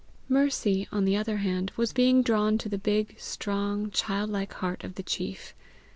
Mercy, on the other hand, was being drawn to the big, strong, childlike heart of the chief.